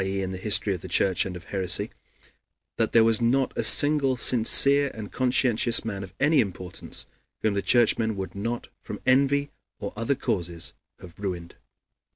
e., in the history of the Church and of heresy), that there was not a single sincere and conscientious man of any importance whom the Churchmen would not from envy or other causes have ruined."